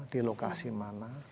di lokasi mana